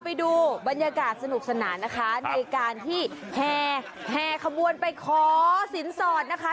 ไปดูบรรยากาศสนุกสนานนะคะในการที่แห่แห่ขบวนไปขอสินสอดนะคะ